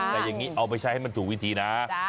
แต่อย่างนี้เอาไปใช้ให้มันถูกวิธีนะ